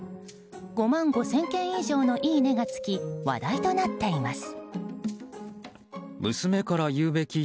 ５万５０００件以上のいいねがつき話題となっています。